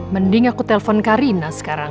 mending aku telpon ke rina sekarang